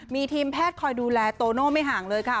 มีทีมแพทย์คอยดูแลโตโน่ไม่ห่างเลยค่ะ